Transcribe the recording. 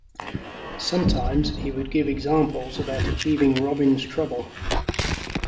Sometimes, he would give examples about achieving Robin's trouble.